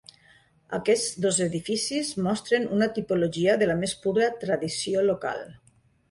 Aquests dos edificis mostren una tipologia de la més pura tradició local.